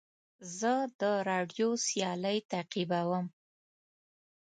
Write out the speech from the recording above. زه د راډیو سیالۍ تعقیبوم.